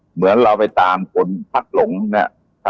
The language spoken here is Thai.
เหมือนเราไปตามคนพัดหลงเนี่ย